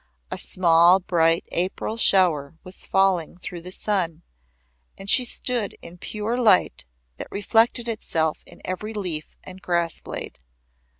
A small bright April shower was falling through the sun, and she stood in pure light that reflected itself in every leaf and grass blade.